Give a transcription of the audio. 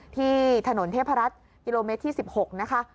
ที่ถนนเทพรัฐกิโลเมตรที่๑๖นะคะ